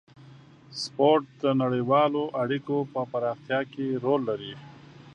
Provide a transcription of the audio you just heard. سپورت د نړیوالو اړیکو په پراختیا کې رول لري.